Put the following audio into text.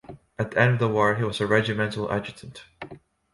At the end of the war he was a regimental adjutant.